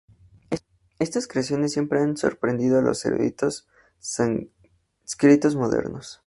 Estas creaciones siempre han sorprendido a los eruditos sánscritos modernos.